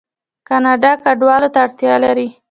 کاناډا کډوالو ته اړتیا لري.